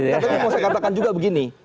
tapi mau saya katakan juga begini